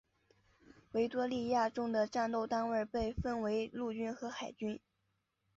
维多利亚中的战斗单位被分为陆军和海军。